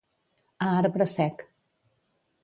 A arbre sec.